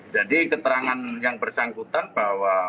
jadi keterangan yang bersangkutan bahwa